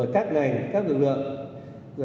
các ngành các lực lượng